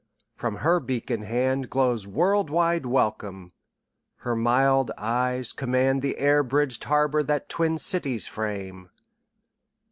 From her beacon handGlows world wide welcome; her mild eyes commandThe air bridged harbour that twin cities frame.